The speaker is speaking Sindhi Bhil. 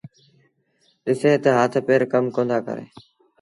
ڏسيٚݩ تآ هٿ پير ڪم ڪوندآ ڪريݩ۔